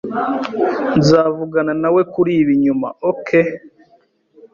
Nzavugana nawe kuri ibi nyuma, OK?